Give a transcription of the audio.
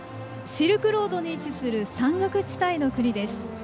シルクロードに位置する山岳地帯の国です。